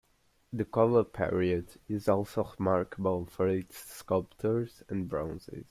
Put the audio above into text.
The Chola period is also remarkable for its sculptures and bronzes.